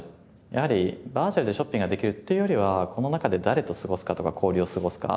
やはりバーチャルでショッピングができるっていうよりはこの中で誰と過ごすかとか交流を過ごすか